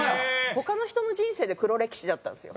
他の人の人生で黒歴史だったんですよ。